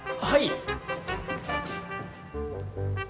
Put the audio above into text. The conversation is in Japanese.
はい！